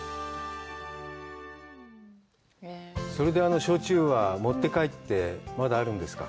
それであの焼酎は持って帰って、まだあるんですか？